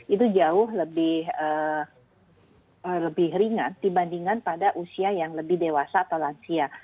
itu jauh lebih ringan dibandingkan pada usia yang lebih dewasa atau lansia